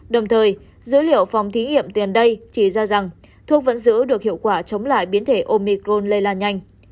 đồng thời dữ liệu phòng thí nghiệm tiền đây chỉ ra rằng thuốc vẫn giữ được hiệu quả chống lại biến thể omicron lây lan nhanh